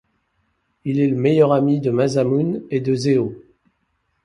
Il est le meilleur ami de Masamune et de Zeo.